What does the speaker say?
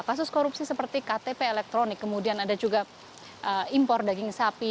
kasus korupsi seperti ktp elektronik kemudian ada juga impor daging sapi